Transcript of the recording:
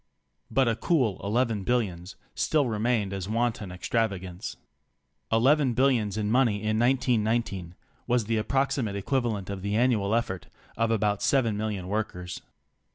But a cool eleven billions still remained as wanton extravagance. Eleven billions in money in 1919 was the ap proximate equivalent of the annual efifort of about seven million workers.